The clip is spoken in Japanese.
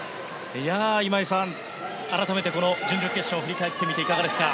今井さん、改めてこの準々決勝振り返ってみていかがですか？